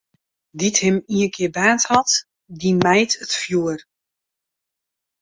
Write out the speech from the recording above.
Dy't him ienkear baarnd hat, dy mijt it fjoer.